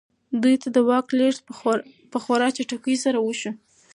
دوی ته د واک لېږد په خورا چټکۍ سره وشو.